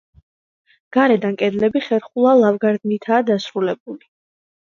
გარედან კედლები ხერხულა ლავგარდნითაა დასრულებული.